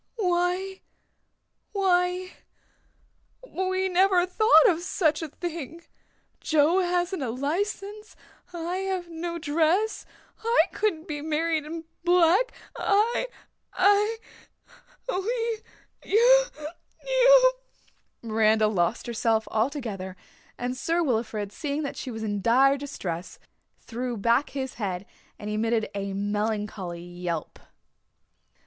"Why why we never thought of such a thing Joe hasn't a license I have no dress I couldn't be married in black I I we you you " Miranda lost herself altogether and Sir Wilfrid, seeing that she was in dire distress threw back his head and emitted a melancholy yelp.